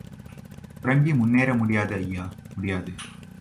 துரங்கி முன்னேற முடியாது ஐயா, முடியாது!